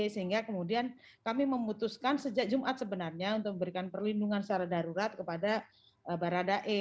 sehingga kemudian kami memutuskan sejak jumat sebenarnya untuk memberikan perlindungan secara darurat kepada baradae